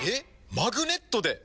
マグネットで？